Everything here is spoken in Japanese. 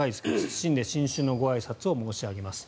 謹んで新春のごあいさつを申し上げます